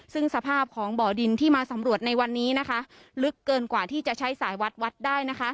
ซึ่งสภาพของบ่อดินที่มาสำรวจในวันนี้นะคะลึกเกินกว่าที่จะใช้สายวัดวัดได้